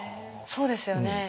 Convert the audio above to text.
そうですよね。